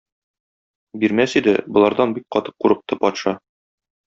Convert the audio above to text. Бирмәс иде, болардан бик каты курыкты патша.